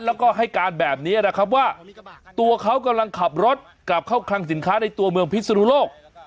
แล้วก็ให้การแบบนี้นะครับว่าตัวเขากำลังขับรถกลับเข้าคลังสินค้าในตัวเมืองพิศนุโลก